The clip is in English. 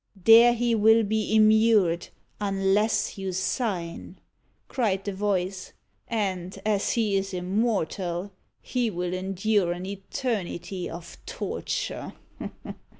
"There he will be immured, unless you sign," cried the voice; "and, as he is immortal, he will endure an eternity of torture."